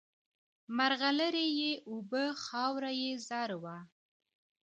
مرغلري یې اوبه خاوره یې زر وه